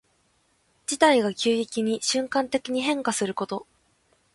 事態が急激に瞬間的に変化すること。